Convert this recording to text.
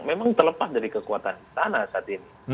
memang terlepas dari kekuatan istana saat ini